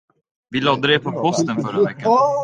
Vi lade det på posten förra veckan.